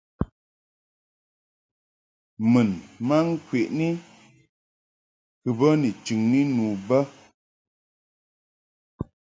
Mun ma ŋkwəni kɨ bə ni chɨŋni nu bə.